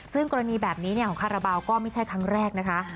ซึ่งกรณีแบบนี้ของคาราบาลก็ไม่ใช่ครั้งแรกนะคะ